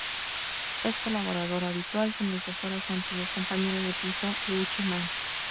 Es colaborador habitual con el que fuera su antiguo compañero de piso Gucci Mane.